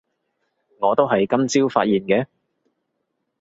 我都係今朝發現嘅